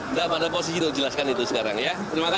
enggak pada posisi itu jelaskan itu sekarang ya